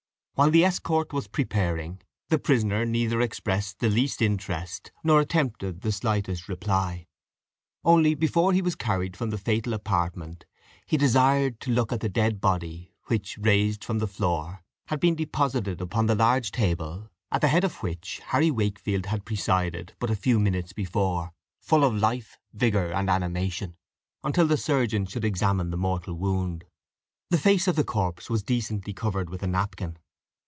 While the escort was preparing, the prisoner neither expressed the least interest nor attempted the slightest reply. Only, before he was carried from the fatal apartment, he desired to look at the dead body, which, raised from the floor, had been deposited upon the large table (at the head of which Harry Wakefield had presided but a few minutes before, full of life, vigour, and animation), until the surgeons should examine the mortal wound. The face of the corpse was decently covered with a napkin.